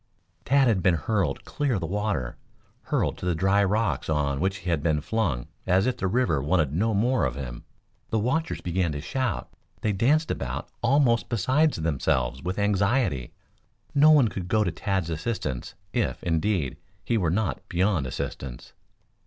Tad had been hurled clear of the water, hurled to the dry rocks on which he had been flung as if the river wanted no more of him. The watchers began to shout. They danced about almost beside themselves with anxiety. No one could go to Tad's assistance, if, indeed, he were not beyond assistance.